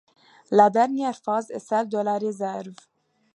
La dernière phase est celle de la réserve.